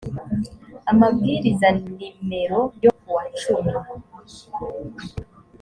amabwiriza n imero yo kuwa cumi